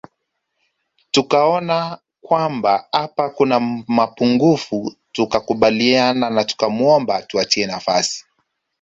Tukaona kwamba hapa kuna mapungufu tukakubaliana na tukamwomba atuachie nafasi